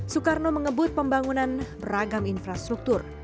soekarno mengebut pembangunan beragam infrastruktur